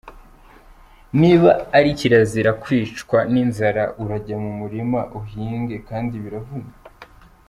Niba ari kirazira kwicwa ni inzara urajya mu murima uhinge kandi biravuna.